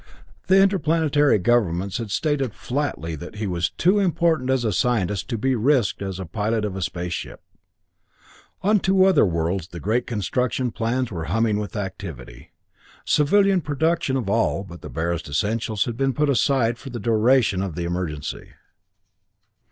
The Interplanetary governments had stated flatly that he was too important as a scientist to be risked as a pilot of a space ship. On two worlds the great construction plants were humming with activity. Civilian production of all but the barest essentials had been put aside for the duration of the emergency.